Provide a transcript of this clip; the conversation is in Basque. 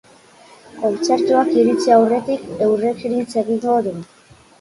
Kontzertuak iritsi aurretik, eurekin hitz egingo dugu.